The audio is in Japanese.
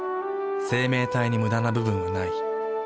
生命体にムダな部分はない。